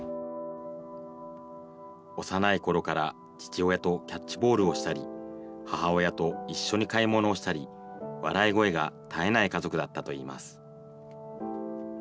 幼いころから、父親とキャッチボールをしたり、母親と一緒に買い物をしたり、笑い声が絶えない家族だったといいます。